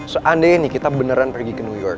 seandainya kita beneran pergi ke new york